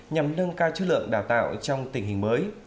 nhằm nâng cao chất lượng đào tạo trong tình hình mới